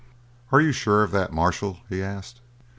"Are you sure of that, marshal?" he asked.